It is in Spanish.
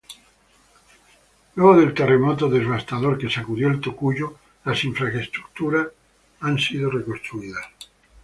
Luego del terremoto devastador que sacudió El Tocuyo, las infraestructuras han sido reconstruidas.